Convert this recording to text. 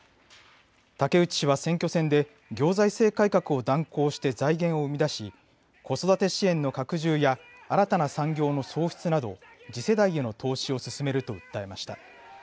武内氏は選挙戦で行財政改革を断行して財源を生み出し子育て支援の拡充や新たな産業の創出など次世代への投資を進めると訴えました。